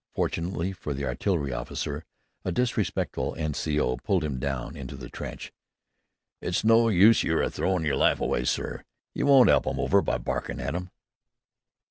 Fortunately for the artillery officer, a disrespectful N.C.O. pulled him down into the trench. "It's no use throwin' yer life aw'y, sir. You won't 'elp 'em over by barkin' at 'em."